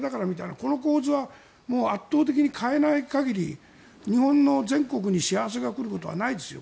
この構図は圧倒的に変えない限り日本の全国に幸せが来ることはないですよ。